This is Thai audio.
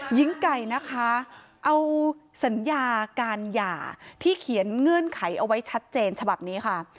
หญิงไก่นะคะเอาสัญญาการหย่าที่เขียนเงื่อนไขเอาไว้ชัดเจนฉบับนี้ค่ะ